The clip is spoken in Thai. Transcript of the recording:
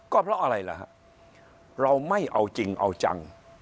ก็เพราะอะไรล่ะฮะเราไม่เอาจริงเอาจัง